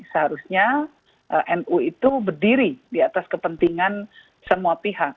seharusnya nu itu berdiri di atas kepentingan semua pihak